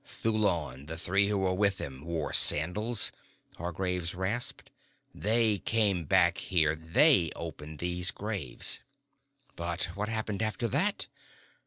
"Thulon, the three who were with him, wore sandals!" Hargraves rasped. "They came back here. They opened these graves." "But what happened after that?